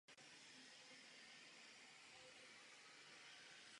Materiální správce farnosti sídlí v Táboře.